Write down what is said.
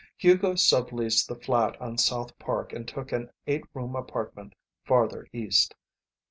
Hugo sub leased the flat on South Park and took an eight room apartment farther east.